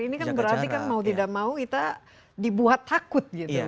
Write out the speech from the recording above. ini kan berarti kan mau tidak mau kita dibuat takut gitu